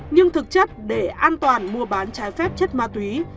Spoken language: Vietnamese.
nhưng thực chất để an toàn mua bán trái phép chất ma túy